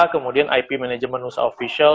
kemudian ip manajemen nusa official